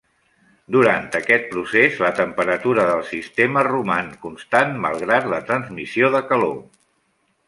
Durant aquest procés, la temperatura del sistema roman constant malgrat la transmissió de calor.